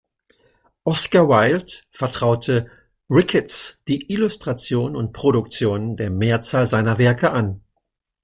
Oscar Wilde vertraute Ricketts die Illustration und Produktion der Mehrzahl seiner Werke an.